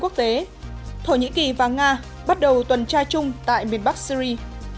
quân đội thổ nhĩ kỳ và nga đã bắt đầu thực hiện các cuộc tuần tra chung tại miền bắc syri